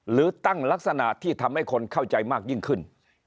หรือตั้งลักษณะที่ทำให้คนเข้าใจมากยิ่งขึ้น